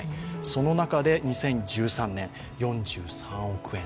その中で２０２３年、４３億円。